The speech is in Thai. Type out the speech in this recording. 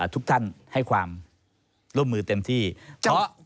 ทุกท่านให้ความร่วมมือเต็มที่